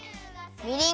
みりん。